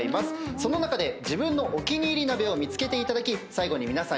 その中で自分のお気に入り鍋を見つけていただき最後に発表していただきます。